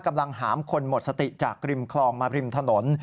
กำลังหามคนหมดสติจากริมคลองมาริมถนน